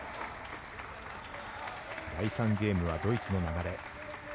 第３ゲームはドイツの流れ。